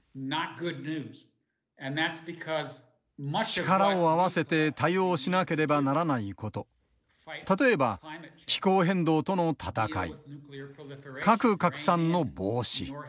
力を合わせて対応しなければならないこと例えば気候変動との闘い核拡散の防止